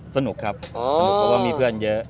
สนุกครับสนุกเพราะว่ามีเพื่อนเยอะ